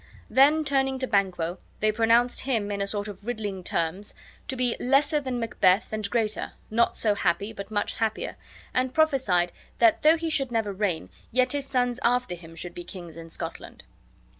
Then turning to Banquo, they pronounced him, in a sort of riddling terms, to be LESSER THAN MACBETH, AND GREATER! NOT SO HAPPY, BUT MUCH HAPPIER! and prophesied that though he should never reign, yet his sons after him should be kings in Scotland.